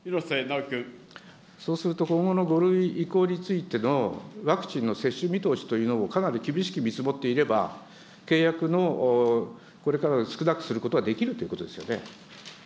そうすると、今後の５類移行についてのワクチンの接種見通しというのをかなり厳しく見積もっていれば、契約の、これから少なくすることはできるということですよね。